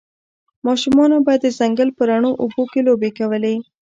ماشومانو به د ځنګل په روڼو اوبو کې لوبې کولې